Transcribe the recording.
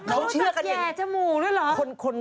มันรู้จักแหย่จมูกด้วยเหรอ